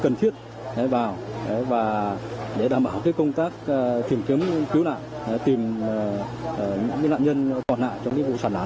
cần thiết vào và để đảm bảo cái công tác tìm kiếm cứu nạn tìm những nạn nhân còn lại trong cái vụ sản lợi này